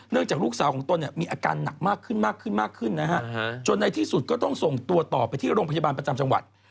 เนื่องจากลูกสาวของต้นเนี่ยมีอาการหนักมากขึ้นนะฮะจนในที่สุดก็ต้องส่งตัวต่อไปที่โรงพยาบาลประจำจังหวัด